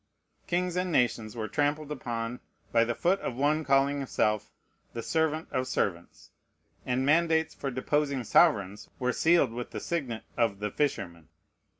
Kings and nations were trampled upon by the foot of one calling himself "The Servant of Servants"; and mandates for deposing sovereigns were sealed with the signet of "The Fisherman."